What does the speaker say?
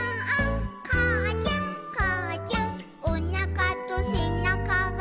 「かあちゃんかあちゃん」「おなかとせなかが」